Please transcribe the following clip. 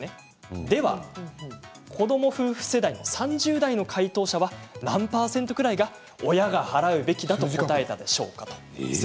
では、子ども夫婦世代の３０代の回答者は何％ぐらいが親が払うべきだと答えたでしょうか？